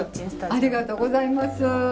ありがとうございます。